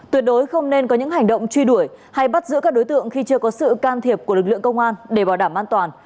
tuyệt đối không nên có những hành động truy đuổi hay bắt giữ các đối tượng khi chưa có sự can thiệp của lực lượng công an để bảo đảm an toàn